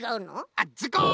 あっズコン！